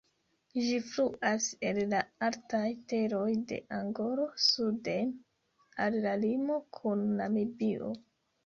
Ĝi fluas el la altaj teroj de Angolo suden al la limo kun Namibio.